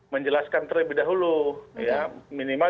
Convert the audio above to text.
menjelaskan terlebih dahulu ya minimal